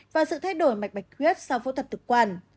và sự thay đổi mạch bạch khuyết sau phẫu thuật tức quản